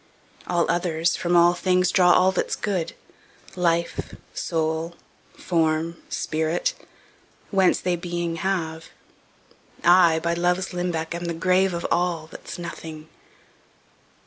All others, from all things, draw all that's good, Life, soule, forme, spirit, whence they beeing have; I, by loves limbecke, am the grave Of all, that's nothing.